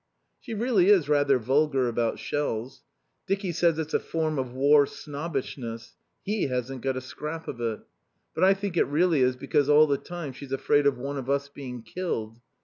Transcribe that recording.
She really is rather vulgar about shells. Dicky says it's a form of war snobbishness (he hasn't got a scrap of it), but I think it really is because all the time she's afraid of one of us being killed.